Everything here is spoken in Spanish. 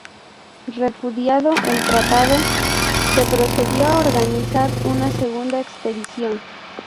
Repudiado el Tratado, se procedió a organizar una segunda Expedición.